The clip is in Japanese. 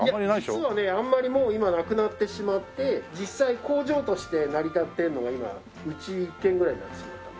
実はねあんまりもう今なくなってしまって実際工場として成り立ってるのが今うち１軒ぐらいになってしまったんです。